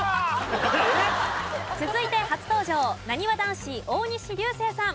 続いて初登場なにわ男子大西流星さん。